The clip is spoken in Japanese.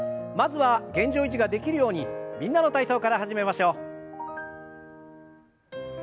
まずは現状維持ができるように「みんなの体操」から始めましょう。